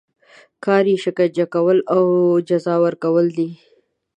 کار یې شکنجه کول او جزا ورکول دي.